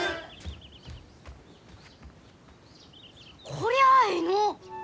こりゃあえいの！